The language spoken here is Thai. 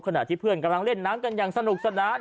ขณะที่เพื่อนกำลังเล่นน้ำกันอย่างสนุกสนาน